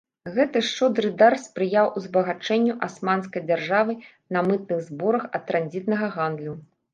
Гэты шчодры дар спрыяў узбагачэнню асманскай дзяржавы на мытных зборах ад транзітнага гандлю.